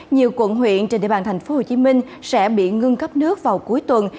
nhiều quận huyện trên địa bàn thành phố hồ chí minh sẽ bị ngưng cấp nước vào cuối tuần